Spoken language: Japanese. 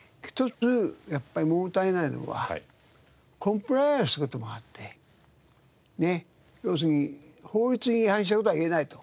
１つやっぱりもの足りないのはコンプライアンスという事もあって要するに法律に違反してる事は言えないと。